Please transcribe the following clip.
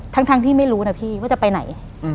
ทั้งที่ไม่รู้นะพี่ว่าจะไปไหน